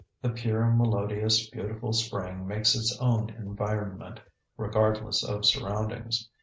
The pure, melodious, beautiful spring makes its own environment, regardless of surroundings.